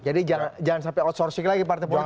jadi jangan sampai outsourcing lagi partai politik